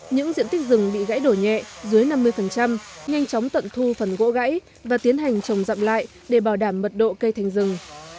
những diện tích rừng bị gãy đổ nhẹ dưới năm mươi nhanh chóng tận thu phần gỗ gãy và tiến hành trồng dặm lại để bảo đảm mật độ cây thành rừng